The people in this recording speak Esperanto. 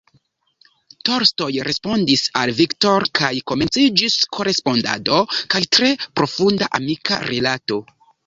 Tolstoj respondis al Victor kaj komenciĝis korespondado kaj tre profunda amika rilato.